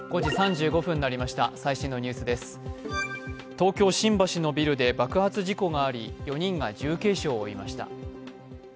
東京・新橋のビルで爆発事故があり４人が重軽傷を負いました。